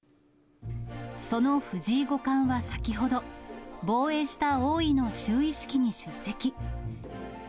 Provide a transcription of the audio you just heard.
その藤井五冠は先ほど、防衛した王位の就位式に出席。